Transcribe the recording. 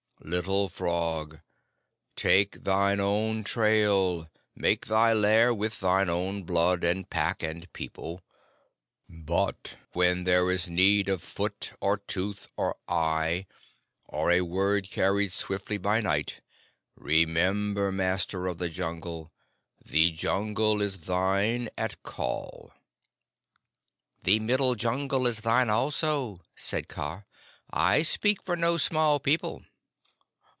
Little Frog, take thine own trail; make thy lair with thine own blood and pack and people; but when there is need of foot or tooth or eye, or a word carried swiftly by night, remember, Master of the Jungle, the Jungle is thine at call." "The Middle Jungle is thine also," said Kaa. "I speak for no small people."